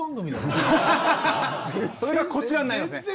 それがこちらになりますね。